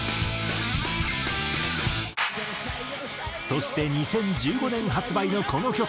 そして２０１５年発売のこの曲。